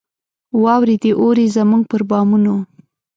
واوري دي اوري زموږ پر بامونو